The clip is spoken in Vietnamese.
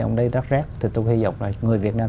ông đây rắc rác thì tôi hy vọng là người việt nam